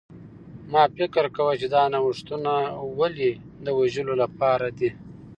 ما فکر کاوه چې دا نوښتونه ولې د وژلو لپاره دي